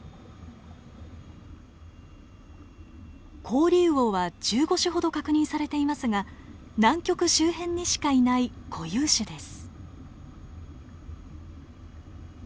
コオリウオは１５種ほど確認されていますが南極周辺にしかいない固有種です。